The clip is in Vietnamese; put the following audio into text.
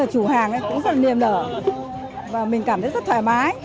rất là nhiều người bán hàng chủ hàng cũng rất là niềm đỡ và mình cảm thấy rất thoải mái